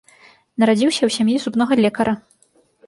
Нарадзіўся ў сям'і зубнога лекара.